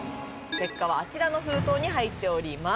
結果はあちらの封筒に入っております